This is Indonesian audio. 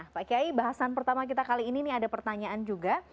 pak kiai bahasan pertama kita kali ini ada pertanyaan juga